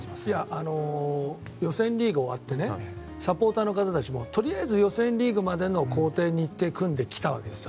予選リーグが終わってサポーターの方たちもとりあえず予選リーグまでの行程を組んできたわけですよ。